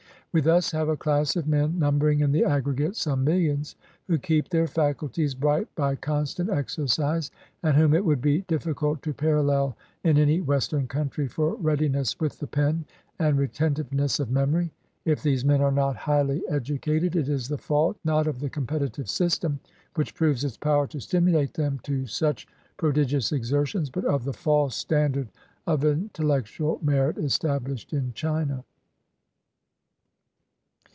We thus have a class of men, numbering in the aggregate some millions, who keep their faculties bright by con stant exercise, and whom it would be difficult to parallel in any Western country for readiness with the pen and retentiveness of memory. If these men are not highly educated, it is the fault, not of the competitive system, which proves its power to stimulate them to such pro digious exertions, but of the false standard of intellectual merit established in China.